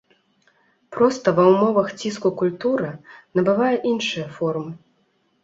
Проста ва ўмовах ціску культура набывае іншыя формы.